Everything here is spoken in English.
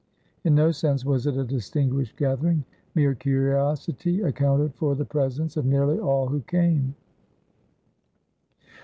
In no sense was it a distinguished gathering; mere curiosity accounted for the presence of nearly all who came.